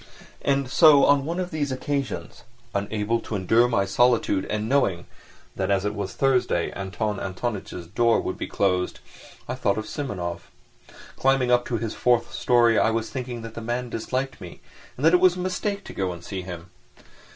And so on one occasion, unable to endure my solitude and knowing that as it was Thursday Anton Antonitch's door would be closed, I thought of Simonov. Climbing up to his fourth storey I was thinking that the man disliked me and that it was a mistake to go and see him.